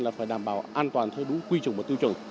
là phải đảm bảo an toàn thơ đủ quy trùng và tiêu chuẩn